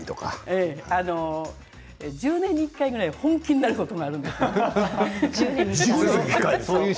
１０年に１回本気になることがあるんです。